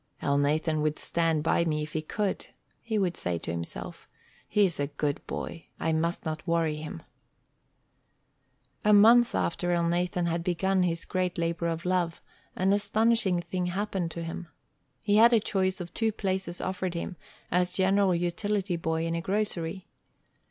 "Elnathan would stand by me if he could," he would say to himself. "He's a good boy. I must not worry him." A month after Elnathan had begun his great labor of love, an astonishing thing happened to him. He had a choice of two places offered him as general utility boy in a grocery.